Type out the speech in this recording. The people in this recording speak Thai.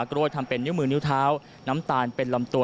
กล้วยทำเป็นนิ้วมือนิ้วเท้าน้ำตาลเป็นลำตัว